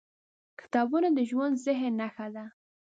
کتابونه د ژوندي ذهن نښه ده.